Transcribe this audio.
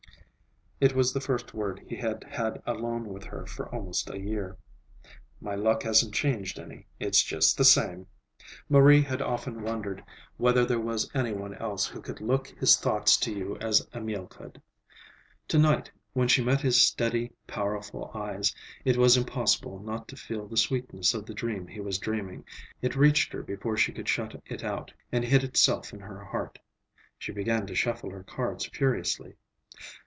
It was the first word he had had alone with her for almost a year. "My luck hasn't changed any. It's just the same." Marie had often wondered whether there was anyone else who could look his thoughts to you as Emil could. To night, when she met his steady, powerful eyes, it was impossible not to feel the sweetness of the dream he was dreaming; it reached her before she could shut it out, and hid itself in her heart. She began to shuffle her cards furiously.